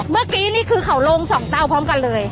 เมื่อกี้นี่คือเขาลง๒เตาพร้อมกันเลย